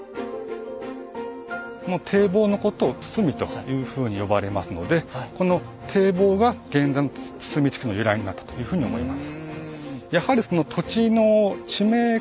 この堤防のことを堤というふうに呼ばれますのでこの堤防が現在の堤地区の由来になったというふうに思います。